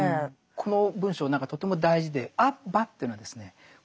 この文章とても大事で「アッバ」っていうのはですね